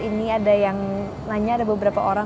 ini ada yang nanya ada beberapa orang